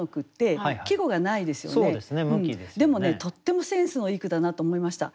でもねとってもセンスのいい句だなと思いました。